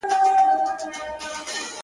د زړه کور کي مي جانان په کاڼو ولي,